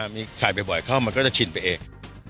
มีไข่บ่อยเข้ามันก็จะชินไปเอง